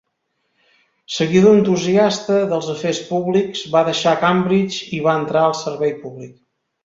Seguidor entusiasta dels afers públics, va deixar Cambridge i va entrar al servei públic.